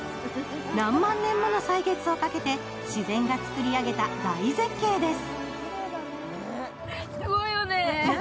何万年もの歳月をかけて自然が作り上げた大絶景です。